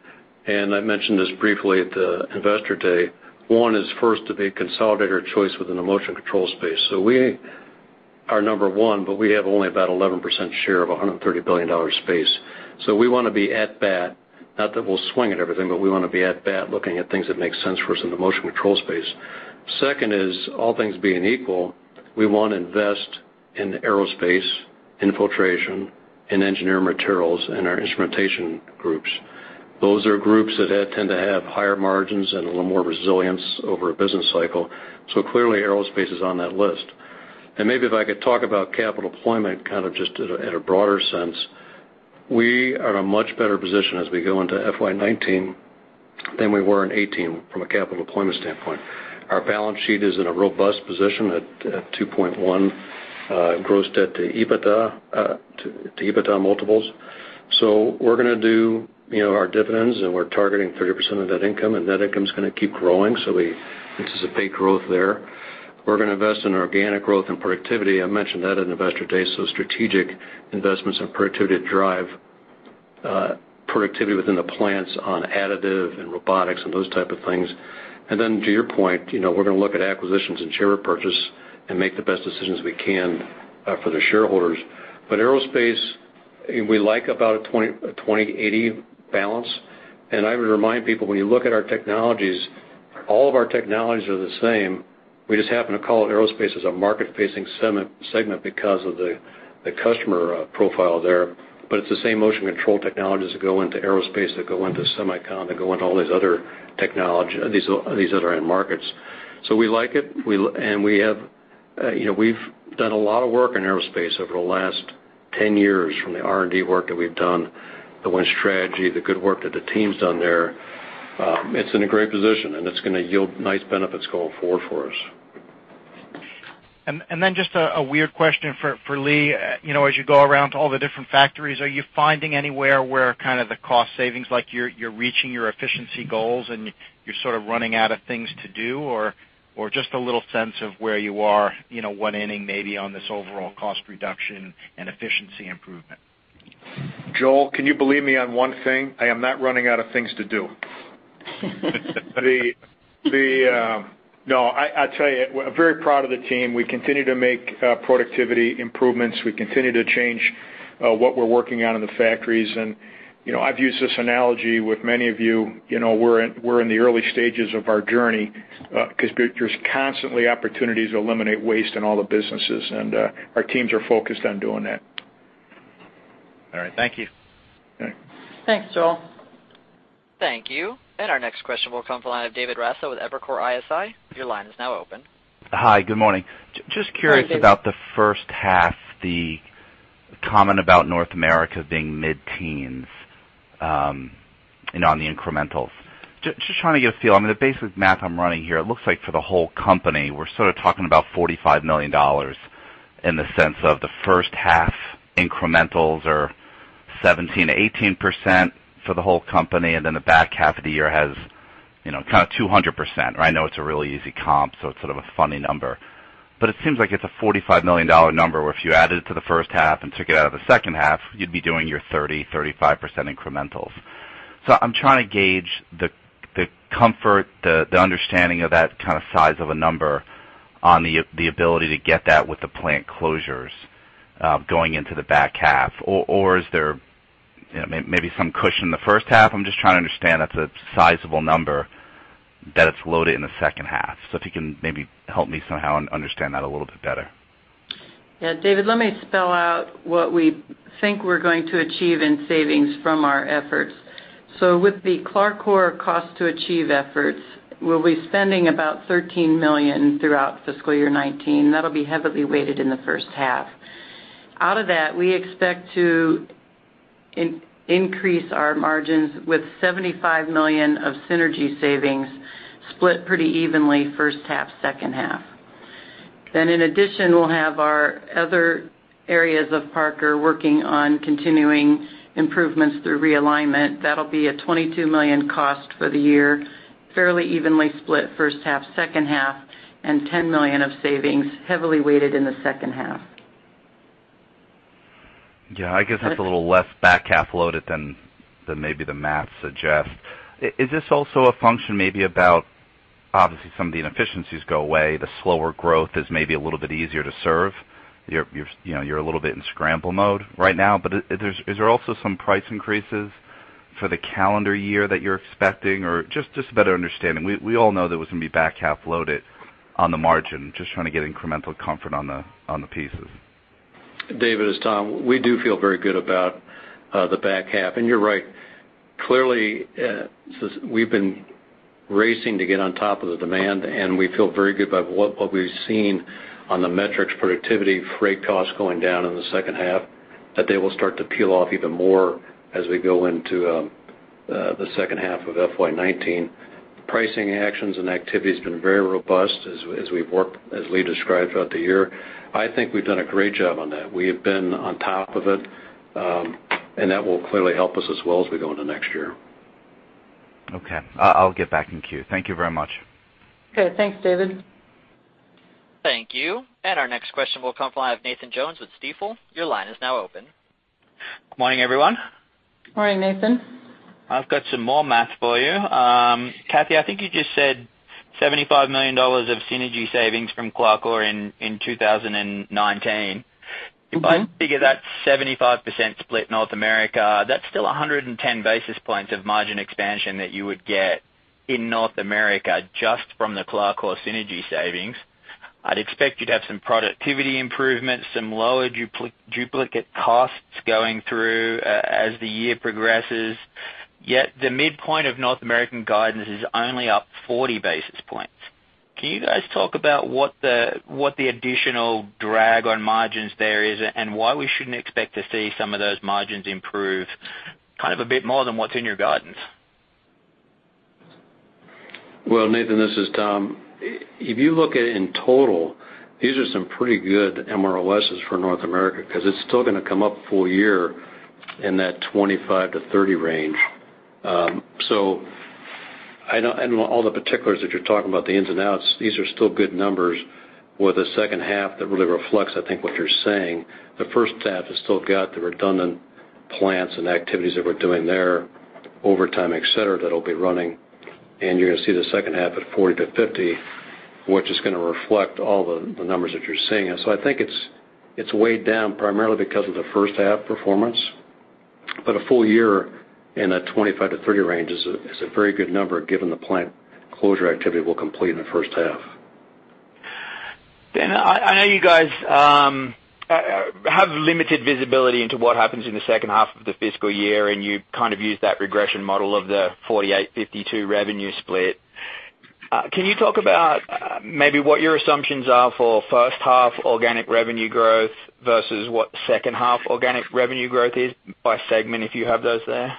and I mentioned this briefly at the Investor Day. One is first to be consolidator of choice within the motion control space. We are number one, but we have only about 11% share of a $130 billion space. We want to be at bat. Not that we'll swing at everything, but we want to be at bat, looking at things that make sense for us in the motion control space. Second is, all things being equal, we want to invest in Aerospace, in Filtration, in Engineered Materials, and our Instrumentation groups. Those are groups that tend to have higher margins and a little more resilience over a business cycle. Clearly, Aerospace is on that list. Maybe if I could talk about capital deployment, kind of just at a broader sense. We are in a much better position as we go into FY 2019 than we were in 2018 from a capital deployment standpoint. Our balance sheet is in a robust position at 2.1 gross debt to EBITDA multiples. We're going to do our dividends, and we're targeting 30% of net income, and net income's going to keep growing, we anticipate growth there. We're going to invest in organic growth and productivity. I mentioned that at Investor Day, strategic investments in productivity to drive productivity within the plants on additive and robotics and those type of things. Then to your point, we're going to look at acquisitions and share repurchase and make the best decisions we can for the shareholders. Aerospace, we like about a 20/80 balance. I would remind people, when you look at our technologies, all of our technologies are the same. We just happen to call it Aerospace as a market-facing segment because of the customer profile there. It's the same motion control technologies that go into Aerospace, that go into semicon, that go into all these other end markets. We like it, and we've done a lot of work in Aerospace over the last 10 years, from the R&D work that we've done, the Win Strategy, the good work that the team's done there. It's in a great position, and it's going to yield nice benefits going forward for us. Just a weird question for Lee. As you go around to all the different factories, are you finding anywhere where kind of the cost savings, like, you're reaching your efficiency goals and you're sort of running out of things to do? Or just a little sense of where you are, what inning may be on this overall cost reduction and efficiency improvement. Joel, can you believe me on one thing? I am not running out of things to do. No, I'll tell you, I'm very proud of the team. We continue to make productivity improvements. We continue to change what we're working on in the factories. I've used this analogy with many of you. We're in the early stages of our journey, because there's constantly opportunities to eliminate waste in all the businesses, and our teams are focused on doing that. All right. Thank you. All right. Thanks, Joel Tiss. Thank you. Our next question will come from the line of David Raso with Evercore ISI. Your line is now open. Hi, good morning. Hi, David. Just curious about the first half, the comment about North America being mid-teens on the incrementals. Just trying to get a feel. I mean, the basic math I'm running here, it looks like for the whole company, we're sort of talking about $45 million in the sense of the first half incrementals are 17%-18% for the whole company, and then the back half of the year has kind of 200%. I know it's a really easy comp, so it's sort of a funny number. It seems like it's a $45 million number, where if you added it to the first half and took it out of the second half, you'd be doing your 30%-35% incrementals. I'm trying to gauge the comfort, the understanding of that kind of size of a number on the ability to get that with the plant closures going into the back half. Is there maybe some cushion in the first half? I'm just trying to understand. That's a sizable number that it's loaded in the second half. If you can maybe help me somehow understand that a little bit better. Yeah, David, let me spell out what we think we're going to achieve in savings from our efforts. With the CLARCOR cost-to-achieve efforts, we'll be spending about $13 million throughout fiscal year 2019. That'll be heavily weighted in the first half. Out of that, we expect to increase our margins with $75 million of synergy savings, split pretty evenly first half, second half. In addition, we'll have our other areas of Parker working on continuing improvements through realignment. That'll be a $22 million cost for the year, fairly evenly split first half, second half, and $10 million of savings, heavily weighted in the second half. Yeah, I guess that's a little less back-half loaded than maybe the math suggests. Is this also a function maybe about, obviously, some of the inefficiencies go away, the slower growth is maybe a little bit easier to serve? You're a little bit in scramble mode right now. Is there also some price increases for the calendar year that you're expecting? Just a better understanding. We all know that it was going to be back-half loaded on the margin. Just trying to get incremental comfort on the pieces. David, it's Tom. We do feel very good about the back half. You're right. Clearly, we've been racing to get on top of the demand, and we feel very good about what we've seen on the metrics, productivity, freight costs going down in the second half, that they will start to peel off even more as we go into the second half of FY 2019. Pricing actions and activity has been very robust as Lee described throughout the year. I think we've done a great job on that. We have been on top of it, and that will clearly help us as well as we go into next year. Okay. I'll get back in queue. Thank you very much. Okay. Thanks, David. Thank you. Our next question will come from the line of Nathan Jones with Stifel. Your line is now open. Good morning, everyone. Morning, Nathan. I've got some more math for you. Kathy, I think you just said $75 million of synergy savings from CLARCOR in 2019. If I figure that 75% split North America, that's still 110 basis points of margin expansion that you would get in North America just from the CLARCOR synergy savings. I'd expect you'd have some productivity improvements, some lower duplicate costs going through as the year progresses. Yet the midpoint of North American guidance is only up 40 basis points. Can you guys talk about what the additional drag on margins there is, and why we shouldn't expect to see some of those margins improve kind of a bit more than what's in your guidance? Nathan, this is Tom. If you look at it in total, these are some pretty good MROS for North America, because it's still going to come up full year in that 25-30 range. I don't know all the particulars that you're talking about, the ins and outs. These are still good numbers with the second half that really reflects, I think, what you're saying. The first half has still got the redundant plants and activities that we're doing there, overtime, et cetera, that'll be running. You're going to see the second half at 40-50, which is going to reflect all the numbers that you're seeing. I think it's weighed down primarily because of the first half performance. A full year in that 25-30 range is a very good number given the plant closure activity we'll complete in the first half. I know you guys have limited visibility into what happens in the second half of the fiscal year, and you kind of use that regression model of the 48-52 revenue split. Can you talk about maybe what your assumptions are for first-half organic revenue growth versus what second-half organic revenue growth is by segment, if you have those there?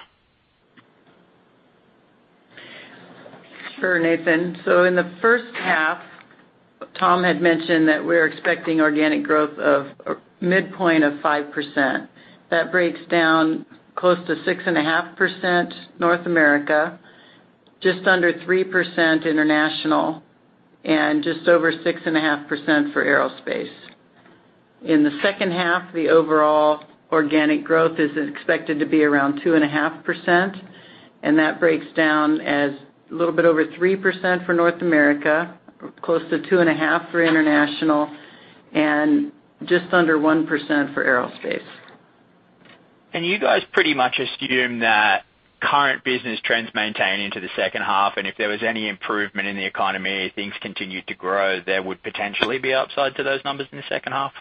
Sure, Nathan. In the first half, Tom had mentioned that we're expecting organic growth of a midpoint of 5%. That breaks down close to 6.5% North America, just under 3% International, and just over 6.5% for Aerospace. In the second half, the overall organic growth is expected to be around 2.5%, and that breaks down as a little bit over 3% for North America, close to 2.5% for International, and just under 1% for Aerospace. You guys pretty much assume that current business trends maintain into the second half, and if there was any improvement in the economy, things continued to grow, there would potentially be upside to those numbers in the second half?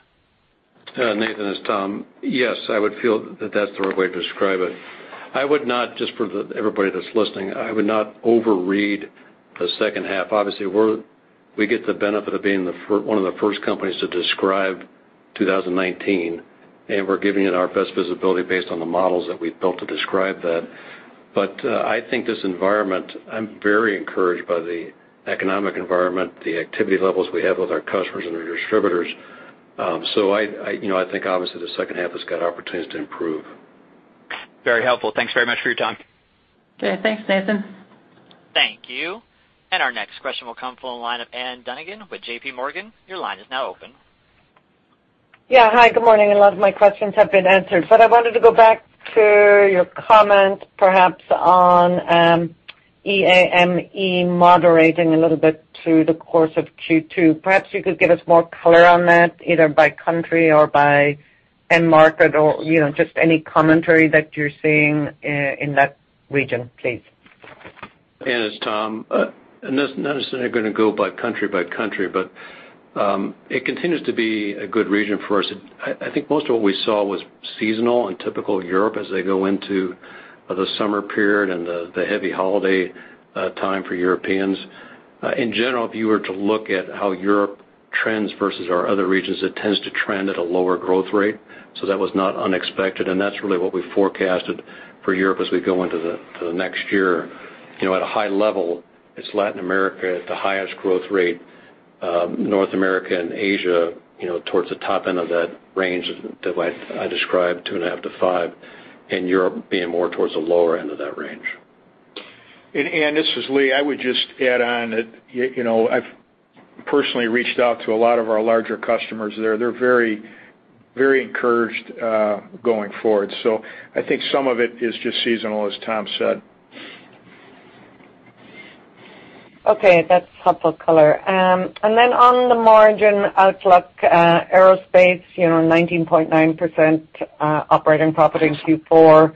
Nathan, this is Tom. Yes, I would feel that that's the right way to describe it. Just for everybody that's listening, I would not overread the second half. Obviously, we get the benefit of being one of the first companies to describe 2019, and we're giving it our best visibility based on the models that we've built to describe that. I think this environment, I'm very encouraged by the economic environment, the activity levels we have with our customers and our distributors. I think obviously the second half has got opportunities to improve. Very helpful. Thanks very much for your time. Okay, thanks, Nathan. Thank you. Our next question will come from the line of Ann Duignan with JP Morgan. Your line is now open. Yeah, hi. Good morning. A lot of my questions have been answered. I wanted to go back to your comment, perhaps on EMEA moderating a little bit through the course of Q2. Perhaps you could give us more color on that, either by country or by end market or just any commentary that you're seeing in that region, please. Ann, it's Tom. Not necessarily going to go by country by country, but it continues to be a good region for us. I think most of what we saw was seasonal and typical Europe as they go into the summer period and the heavy holiday time for Europeans. In general, if you were to look at how Europe trends versus our other regions, it tends to trend at a lower growth rate. That was not unexpected, and that's really what we forecasted for Europe as we go into the next year. At a high level, it's Latin America at the highest growth rate, North America and Asia towards the top end of that range that I described, 2.5%-5%, and Europe being more towards the lower end of that range. Ann, this is Lee. I would just add on that I've personally reached out to a lot of our larger customers there. They're very encouraged going forward. I think some of it is just seasonal, as Tom said. Okay. That's helpful color. On the margin outlook, Aerospace, 19.9% operating profit in Q4.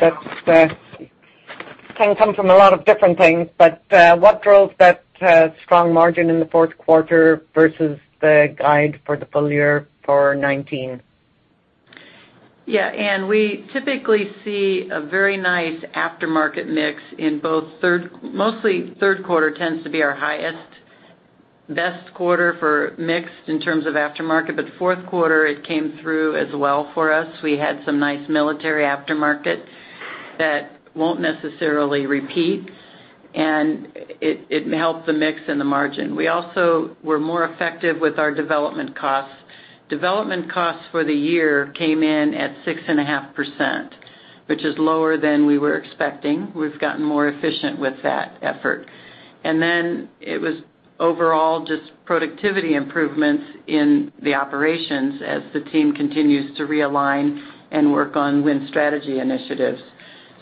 That can come from a lot of different things, but what drove that strong margin in the fourth quarter versus the guide for the full year for 2019? Yeah, Ann, we typically see a very nice aftermarket mix in mostly third quarter tends to be our highest, best quarter for mix in terms of aftermarket. Fourth quarter, it came through as well for us. We had some nice military aftermarket that won't necessarily repeat, and it helped the mix and the margin. We also were more effective with our development costs. Development costs for the year came in at 6.5%, which is lower than we were expecting. We've gotten more efficient with that effort. It was overall just productivity improvements in the operations as the team continues to realign and work on Win Strategy initiatives.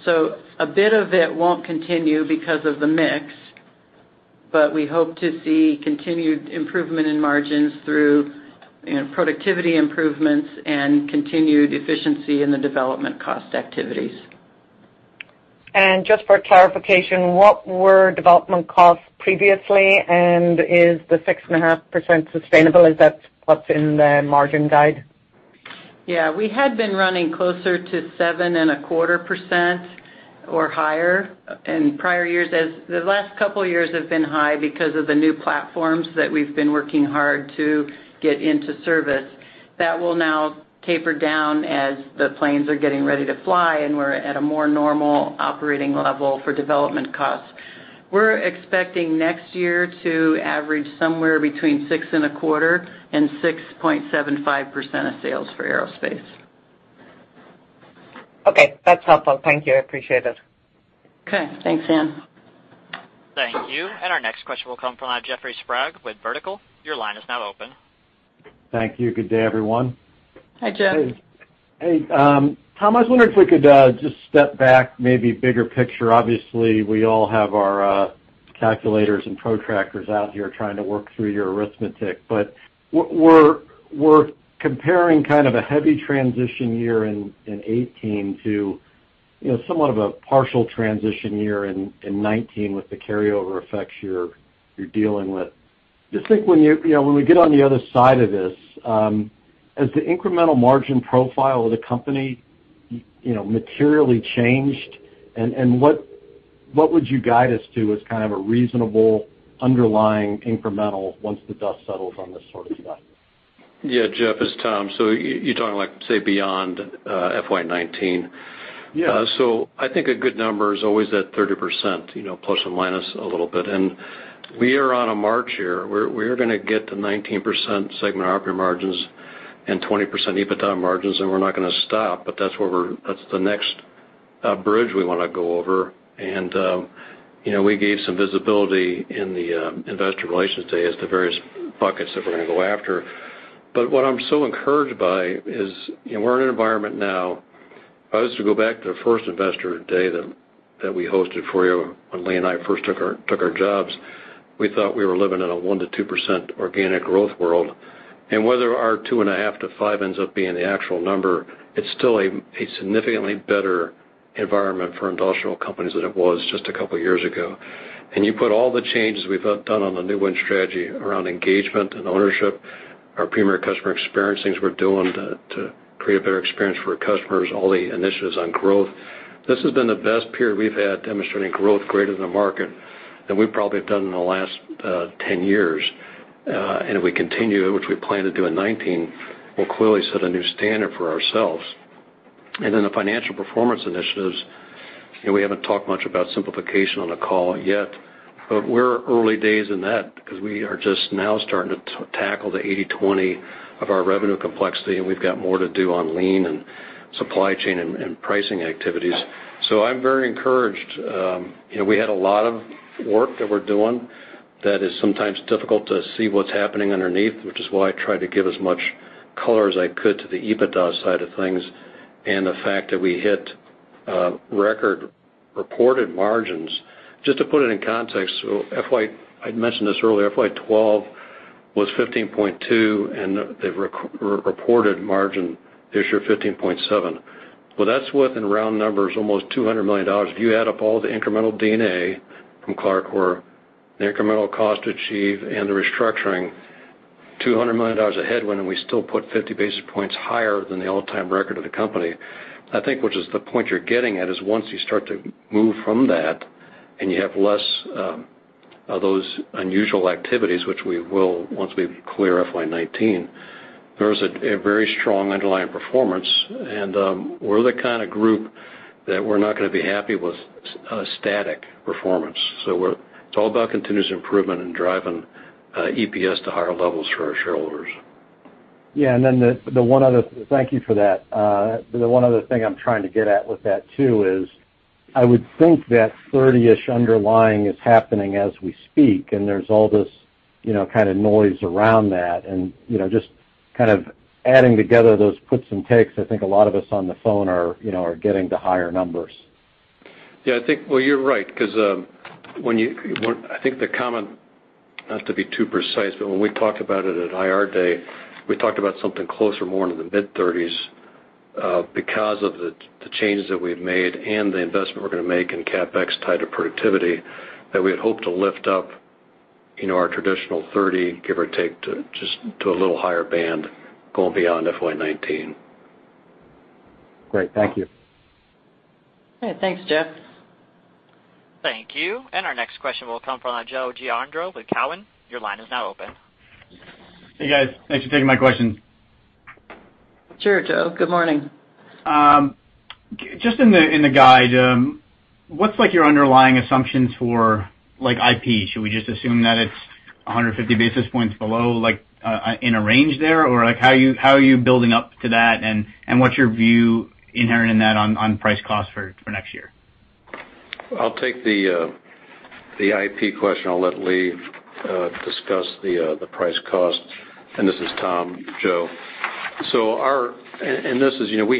A bit of it won't continue because of the mix, but we hope to see continued improvement in margins through productivity improvements and continued efficiency in the development cost activities. Just for clarification, what were development costs previously? Is the 6.5% sustainable? Is that what's in the margin guide? Yeah. We had been running closer to 7.25% or higher in prior years. The last couple years have been high because of the new platforms that we've been working hard to get into service. That will now taper down as the planes are getting ready to fly, and we're at a more normal operating level for development costs. We're expecting next year to average somewhere between 6.25% and 6.75% of sales for Aerospace. Okay. That's helpful. Thank you. I appreciate it. Okay. Thanks, Ann. Thank you. Our next question will come from Jeffrey Sprague with Vertical. Your line is now open. Thank you. Good day, everyone. Hi, Jeff. Hey. Tom, I was wondering if we could just step back, maybe bigger picture. Obviously, we all have our calculators and protractors out here trying to work through your arithmetic. We're comparing kind of a heavy transition year in 2018 to somewhat of a partial transition year in 2019 with the carryover effects you're dealing with. Just think, when we get on the other side of this, has the incremental margin profile of the company materially changed? What would you guide us to as kind of a reasonable underlying incremental once the dust settles on this sort of stuff? Yeah, Jeff, it's Tom. You're talking like, say, beyond FY 2019. Yeah. I think a good number is always that 30%, plus or minus a little bit. We are on a march here. We're going to get to 19% segment operating margins and 20% EBITDA margins, and we're not going to stop, but that's the next bridge we want to go over. We gave some visibility in the Investor Relations Day as to various buckets that we're going to go after. What I'm so encouraged by is we're in an environment now, if I was to go back to the first Investor Day that we hosted for you when Lee and I first took our jobs, we thought we were living in a 1% to 2% organic growth world. Whether our 2.5% to 5% ends up being the actual number, it's still a significantly better environment for industrial companies than it was just a couple years ago. You put all the changes we've done on the Win Strategy around engagement and ownership, our premier customer experience, things we're doing to create a better experience for our customers, all the initiatives on growth. This has been the best period we've had demonstrating growth greater than the market than we probably have done in the last 10 years. If we continue, which we plan to do in 2019, we'll clearly set a new standard for ourselves. The financial performance initiatives, we haven't talked much about simplification on a call yet, but we're early days in that because we are just now starting to tackle the 80/20 of our revenue complexity, and we've got more to do on lean and supply chain and pricing activities. I'm very encouraged. We had a lot of work that we're doing that is sometimes difficult to see what's happening underneath, which is why I try to give as much color as I could to the EBITDA side of things and the fact that we hit record reported margins. Just to put it in context, I'd mentioned this earlier, FY 2012 was 15.2%, the reported margin this year, 15.7%. That's what, in round numbers, almost $200 million. If you add up all the incremental D&A from CLARCOR, the incremental cost to achieve and the restructuring, $200 million of headwind, we still put 50 basis points higher than the all-time record of the company. I think, which is the point you're getting at, is once you start to move from that and you have less of those unusual activities, which we will, once we clear FY 2019, there is a very strong underlying performance. We're the kind of group that we're not going to be happy with a static performance. It's all about continuous improvement and driving EPS to higher levels for our shareholders. Yeah. Thank you for that. The one other thing I'm trying to get at with that, too, is I would think that 30-ish underlying is happening as we speak, and there's all this kind of noise around that. Just kind of adding together those puts and takes, I think a lot of us on the phone are getting to higher numbers. I think, well, you're right, because I think the comment, not to be too precise, but when we talked about it at IR day, we talked about something closer more into the mid-30s, because of the changes that we've made and the investment we're going to make in CapEx tied to productivity, that we had hoped to lift up our traditional 30, give or take, just to a little higher band going beyond FY 2019. Great. Thank you. Thanks, Jeff. Thank you. Our next question will come from Joe Giordano with Cowen. Your line is now open. Hey, guys. Thanks for taking my question. Sure, Joe. Good morning. Just in the guide What's your underlying assumptions for IP? Should we just assume that it's 150 basis points below in a range there? How are you building up to that, and what's your view inherent in that on price cost for next year? I'll take the IP question. I'll let Lee discuss the price cost. This is Tom, Joe. We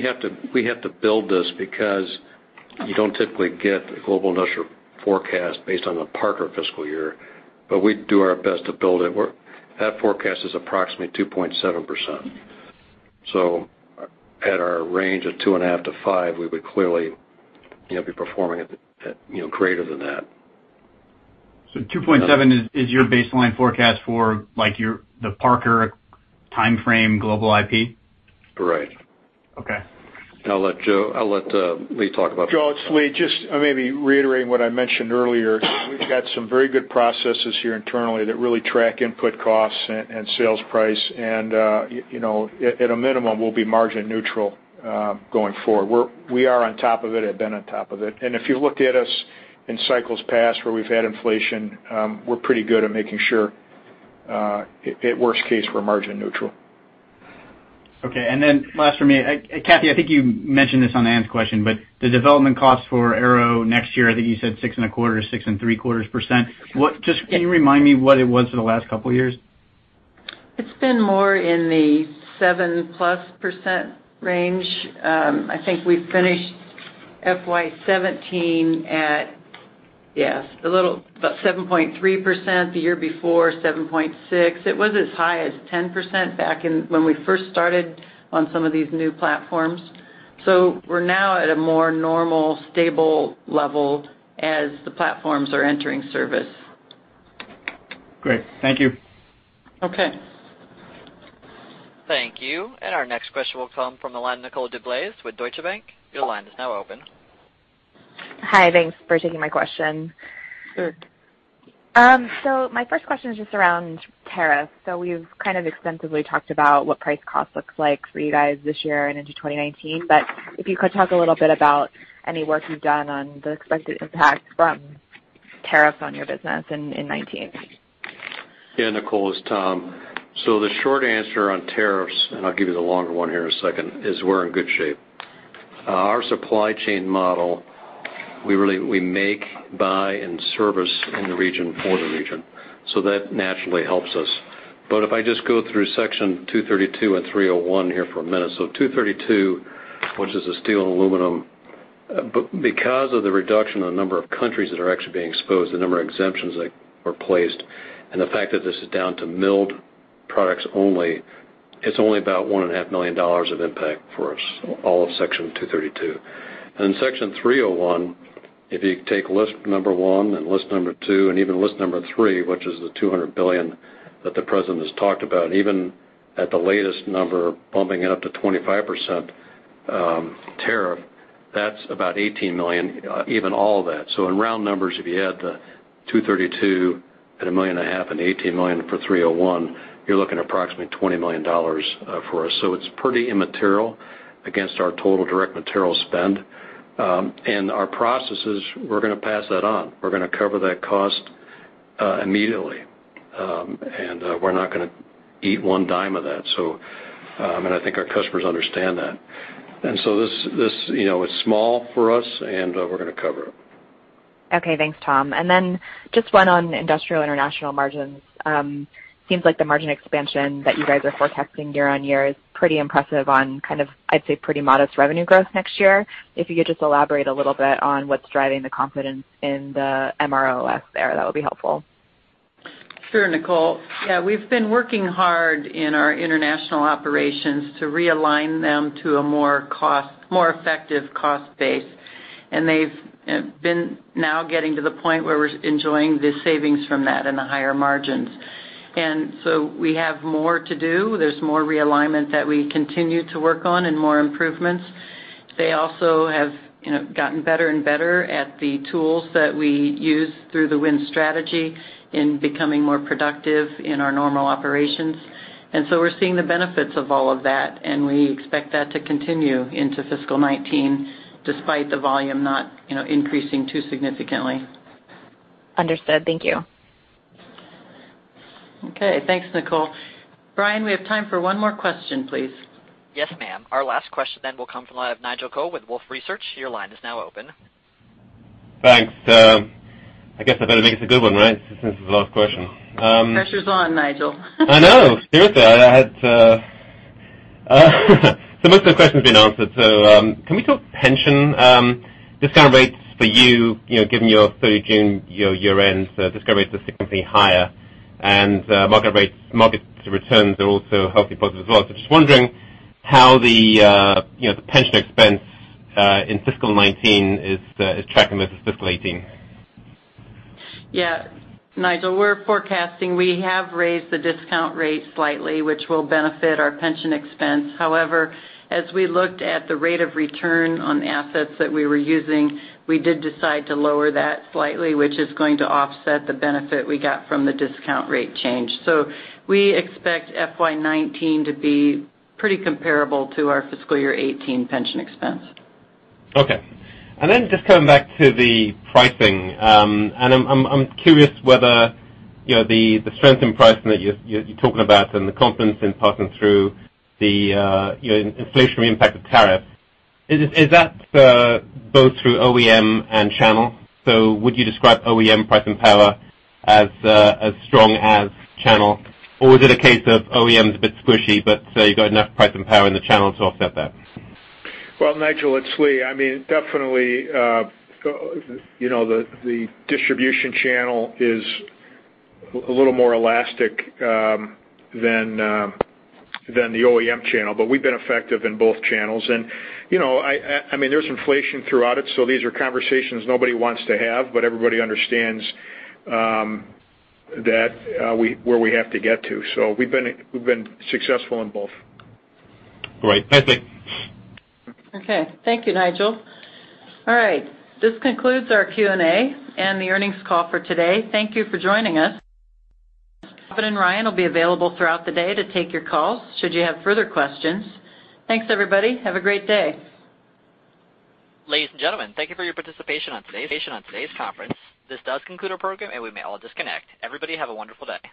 have to build this because you don't typically get a global industrial forecast based on the Parker fiscal year, but we do our best to build it. That forecast is approximately 2.7%. At our range of two and a half to five, we would clearly be performing at greater than that. 2.7 is your baseline forecast for the Parker timeframe global IP? Correct. Okay. I'll let Lee talk about. Joe, it's Lee. Just maybe reiterating what I mentioned earlier, we've got some very good processes here internally that really track input costs and sales price. At a minimum, we'll be margin neutral going forward. We are on top of it, have been on top of it. If you looked at us in cycles past where we've had inflation, we're pretty good at making sure, at worst case, we're margin neutral. Okay, last from me. Cathy, I think you mentioned this on Ann's question, but the development cost for Aero next year, I think you said 6.25% or 6.75%. Just can you remind me what it was for the last couple of years? It's been more in the 7+% range. I think we finished FY 2017 at, yes, about 7.3%, the year before, 7.6%. It was as high as 10% back when we first started on some of these new platforms. We're now at a more normal, stable level as the platforms are entering service. Great. Thank you. Okay. Thank you. Our next question will come from the line of Nicole DeBlase with Deutsche Bank. Your line is now open. Hi. Thanks for taking my question. Sure. My first question is just around tariffs. We've kind of extensively talked about what price cost looks like for you guys this year and into 2019, but if you could talk a little bit about any work you've done on the expected impact from tariffs on your business in 2019. Yeah, Nicole, it's Tom. The short answer on tariffs, and I'll give you the longer one here in a second, is we're in good shape. Our supply chain model, we make, buy, and service in the region for the region. That naturally helps us. But if I just go through Section 232 and 301 here for a minute. Section 232, which is the steel and aluminum. Because of the reduction in the number of countries that are actually being exposed, the number of exemptions that were placed, and the fact that this is down to milled products only, it's only about $1.5 million of impact for us, all of Section 232. Section 301, if you take list 1 and list 2, and even list 3, which is the $200 billion that the president has talked about, even at the latest number, bumping it up to 25% tariff, that's about $18 million, even all of that. In round numbers, if you add the 232 at a million and a half and $18 million for 301, you're looking at approximately $20 million for us. It's pretty immaterial against our total direct material spend. Our processes, we're going to pass that on. We're going to cover that cost immediately. We're not going to eat $0.10 of that. I think our customers understand that. This is small for us and we're going to cover it. Okay. Thanks, Tom. Just one on industrial international margins. Seems like the margin expansion that you guys are forecasting year-over-year is pretty impressive on kind of, I'd say, pretty modest revenue growth next year. If you could just elaborate a little bit on what's driving the confidence in the MROS there, that would be helpful. Sure, Nicole. Yeah, we've been working hard in our international operations to realign them to a more effective cost base. They've been now getting to the point where we're enjoying the savings from that and the higher margins. So we have more to do. There's more realignment that we continue to work on and more improvements. They also have gotten better and better at the tools that we use through the Win Strategy in becoming more productive in our normal operations. So we're seeing the benefits of all of that, and we expect that to continue into fiscal 2019, despite the volume not increasing too significantly. Understood. Thank you. Okay. Thanks, Nicole. Brian, we have time for one more question, please. Yes, ma'am. Our last question then will come from the line of Nigel Coe with Wolfe Research. Your line is now open. Thanks. I guess I better make this a good one, right? Since this is the last question. Pressure's on, Nigel. I know. Seriously. Most of the question's been answered. Can we talk pension discount rates for you, given your 30 June year end, so discount rates are significantly higher, and market returns are also healthy, positive as well. Just wondering how the pension expense in fiscal 2019 is tracking versus fiscal 2018. Yeah. Nigel, we're forecasting we have raised the discount rate slightly, which will benefit our pension expense. However, as we looked at the rate of return on the assets that we were using, we did decide to lower that slightly, which is going to offset the benefit we got from the discount rate change. We expect FY 2019 to be pretty comparable to our fiscal year 2018 pension expense. Okay. Just coming back to the pricing, I'm curious whether the strength in pricing that you're talking about and the confidence in passing through the inflationary impact of tariff, is that both through OEM and channel? Would you describe OEM pricing power as strong as channel? Or is it a case of OEM's a bit squishy, you've got enough pricing power in the channel to offset that? Well, Nigel, it's Lee. Definitely the distribution channel is a little more elastic than the OEM channel, we've been effective in both channels. There's inflation throughout it, these are conversations nobody wants to have, everybody understands where we have to get to. We've been successful in both. Great. Thanks, Lee. Okay. Thank you, Nigel. All right. This concludes our Q&A and the earnings call for today. Thank you for joining us. Kevin and Ryan will be available throughout the day to take your calls should you have further questions. Thanks, everybody. Have a great day. Ladies and gentlemen, thank you for your participation on today's conference. This does conclude our program, we may all disconnect. Everybody, have a wonderful day.